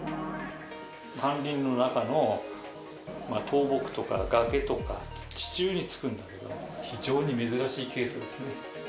山林の中の倒木とか崖とか、地中に作るんだけど、非常に珍しいケースですね。